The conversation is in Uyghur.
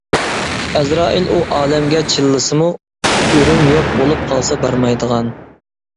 ئەزرائىل ئۇ ئالەمگە چىللىسىمۇ، ئۆرۈم يوق بولۇپ قالسا بارمايدىغان.